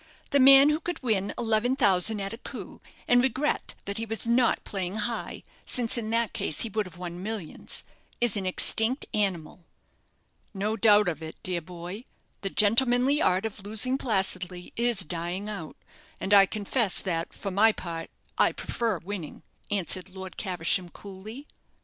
The man who could win eleven thousand at a coup, and regret that he was not playing high, since in that case he would have won millions, is an extinct animal." "No doubt of it, dear boy; the gentlemanly art of losing placidly is dying out; and I confess that, for my part, I prefer winning," answered Lord Caversham, coolly.